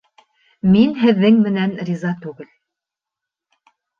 Мин һеҙҙең менән риза түгел.